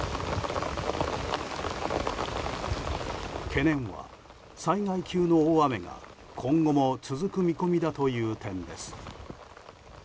懸念は、災害級の大雨が今後も続く見込みだという点です。